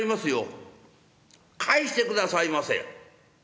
返してくださいませ」。